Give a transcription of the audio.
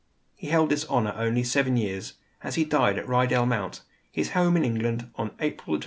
He held this honor only seven years, as he died at Rydal Mount, his home in England, on April 23, 1850.